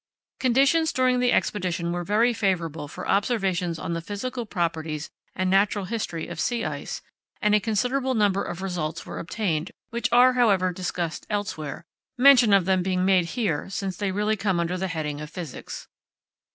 Conditions during the Expedition were very favourable for observations on the physical properties and natural history of sea ice, and a considerable number of results were obtained, which are, however, discussed elsewhere, mention of them being made here since they really come under the heading of physics.